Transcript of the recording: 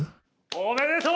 おめでとう！